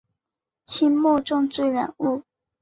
清末政治人物。